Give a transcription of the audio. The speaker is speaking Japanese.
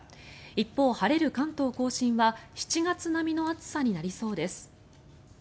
一方、晴れる関東・甲信は７月並みの暑さになりそうです。